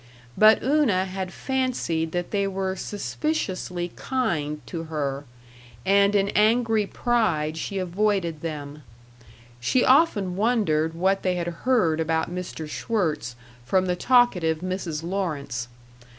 But Una had fancied that they were suspiciously kind to her, and in angry pride she avoided them. She often wondered what they had heard about Mr. Schwirtz from the talkative Mrs. Lawrence.